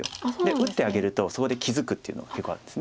打ってあげるとそこで気付くっていうのが結構あるんです。